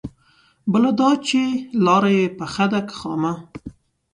بله دا چې لاره يې پخه ده که خامه؟